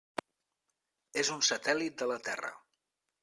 És un satèl·lit de la Terra.